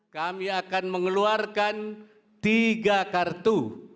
kami akan mengeluarkan tiga kartu